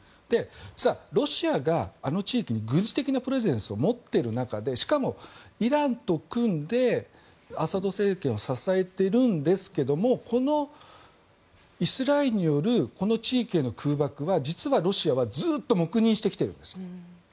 実はロシアが、あの地域に軍事的なプレゼンスを持っている中でしかもイランと組んでアサド政権を支えているんですがイスラエルによるこの地域への空爆は実はロシアはずっと黙認してきているんです。